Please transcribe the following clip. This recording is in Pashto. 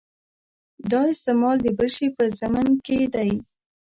دا استعمال د بل شي په ضمن کې دی.